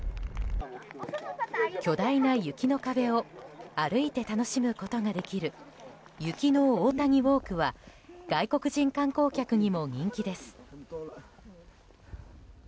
巨大な雪の壁を歩いて楽しむことができる雪の大谷ウォークは外国人観光客にも人気です。